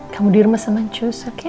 kamu di rumah sama ncus oke